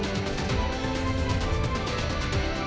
jangan windows sepuluh berbeda juga